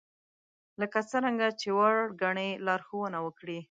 لکه څرنګه چې وړ ګنئ لارښوونه وکړئ